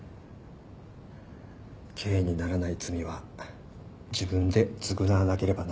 刑にならない罪は自分で償わなければならないんですよ。